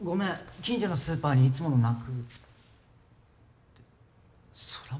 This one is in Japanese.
近所のスーパーにいつものなく空豆？